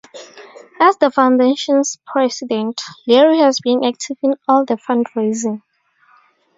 As the foundation's president, Leary has been active in all of the fundraising.